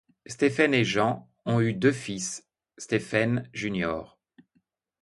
Stephen et Jean ont eu deux fils, Stephen, Jr.